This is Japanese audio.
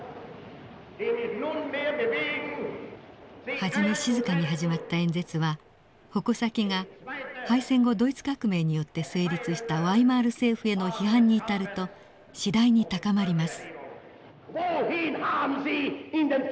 初め静かに始まった演説は矛先が敗戦後ドイツ革命によって成立したワイマール政府への批判に至ると次第に高まります。